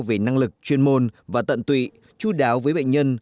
về năng lực chuyên môn và tận tụy chú đáo với bệnh nhân